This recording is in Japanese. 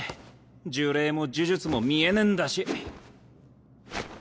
呪霊も呪術も見えねぇんだし。